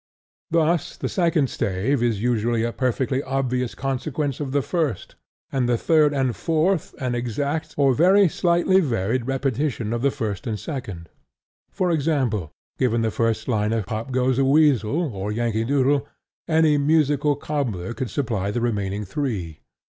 Thus the second stave is usually a perfectly obvious consequence of the first; and the third and fourth an exact or very slightly varied repetition of the first and second. For example, given the first line of Pop Goes the Weasel or Yankee Doodle, any musical cobbler could supply the remaining three.